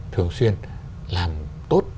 thường xuyên làm tốt